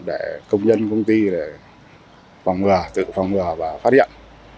để công nhân công ty để phòng ngừa tự phòng ngừa và phát hiện